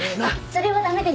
それは駄目です。